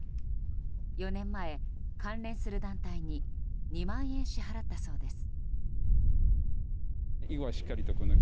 ４年前、関連する団体に２万円支払ったそうです。